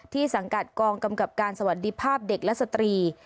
สังกัดกองกำกับการสวัสดีภาพเด็กและสตรี